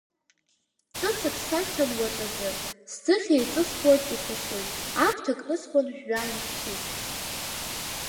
Ҵәыцак сашьҭан уаҵәазы, сӡыхь еиҵысхуан ихәашьыз, аԥҭа кнысхуан жәҩан ихшьыз.